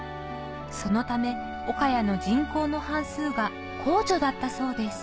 そのため岡谷の人口の半数が工女だったそうです